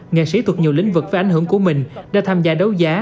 nghệ sĩ thuộc nhiều lĩnh vực với ảnh hưởng của mình đã tham gia đấu giá